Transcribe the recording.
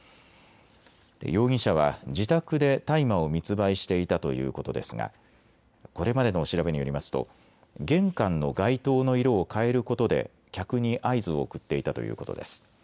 容疑者は自宅で大麻を密売していたということですがこれまでの調べによりますと玄関の外灯の色を変えることで客に合図を送っていたということです。